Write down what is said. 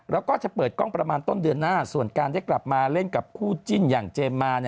แล้วก็จะเปิดกล้องประมาณต้นเดือนหน้าส่วนการได้กลับมาเล่นกับคู่จิ้นอย่างเจมส์มา